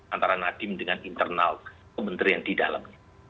antara nadiem dengan internal kementerian di dalamnya